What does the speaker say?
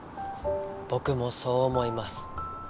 僕もそう思います。